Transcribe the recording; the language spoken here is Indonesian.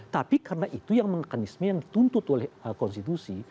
tapi karena itu yang mekanisme yang dituntut oleh konstitusi